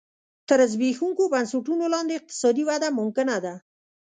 تر زبېښونکو بنسټونو لاندې اقتصادي وده ممکنه ده.